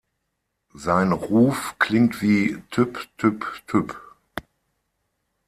Sein Ruf klingt wie "tüpp-tüpp-tüpp".